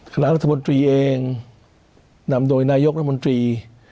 คณะรัฐมนตรีเองนำโดยนายกรัฐมนตรี